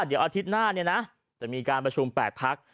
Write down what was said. เดี๋ยวอาทิตย์หน้าจะมีการประชุม๘พัก